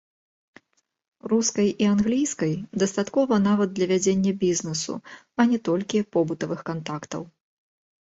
Рускай і англійскай дастаткова нават для вядзення бізнесу, а не толькі побытавых кантактаў.